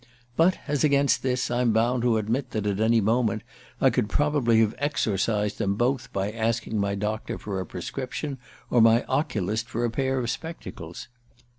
But, as against this, I'm bound to admit that at any moment I could probably have exorcised them both by asking my doctor for a prescription, or my oculist for a pair of spectacles.